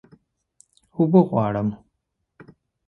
اوبه غواړم